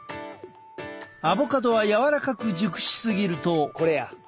アボカドは柔らかく熟し過ぎると。